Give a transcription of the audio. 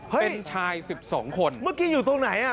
เป็นชาย๑๒คนเมื่อกี้อยู่ตรงไหนอ่ะ